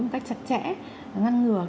một cách chặt chẽ ngăn ngừa